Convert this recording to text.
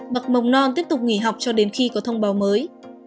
bậc mầm non tiếp tục nghỉ học cho đến khi có thông báo mới